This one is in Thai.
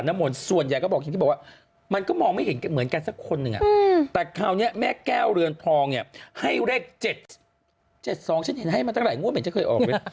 ไหนละเลข๒นี่ตรงข้างบนเหรอข้างบนเหรออ๋อข้างฝั่งทางซ้าย